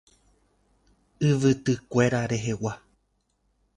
Yvytykuéra rehegua.